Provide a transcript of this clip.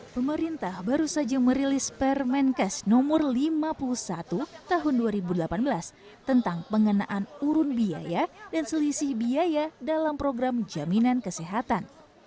pemerintah baru saja merilis permenkes no lima puluh satu tahun dua ribu delapan belas tentang pengenaan urun biaya dan selisih biaya dalam program jaminan kesehatan